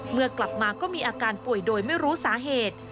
เมื่อกลับมาก็มีอาการป่วยโดยไม่รู้สาเหตุ